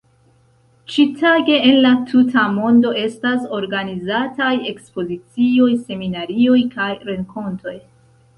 Ĉi-tage en la tuta mondo estas organizataj ekspozicioj, seminarioj kaj renkontoj.